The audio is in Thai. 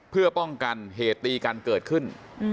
เพื่อป้องกันเหตุตีกันเกิดขึ้น